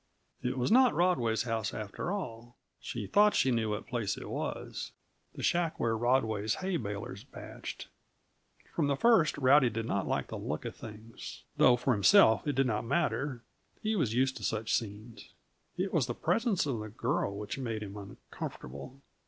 It was not Rodway's house, after all. She thought she knew what place it was the shack where Rodway's hay balers bached. From the first, Rowdy did not like the look of things though for himself it did not matter; he was used to such scenes. It was the presence of the girl which made him uncomfortable.